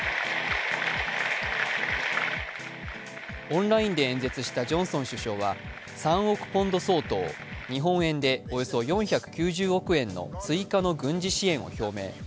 オンラインで演説したジョンソン首相は３億ポンド相当、日本円でおよそ４９０億円の追加の軍事支援を表明。